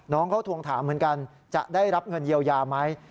น้องเขาทวงถามเหมือนกันจะได้รับเงินเยียวยาไหม